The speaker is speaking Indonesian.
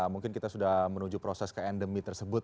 mungkin kita sudah menuju proses ke endemi tersebut